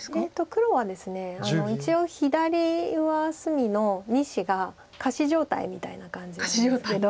黒はですね一応左上隅の２子が仮死状態みたいな感じなんですけど。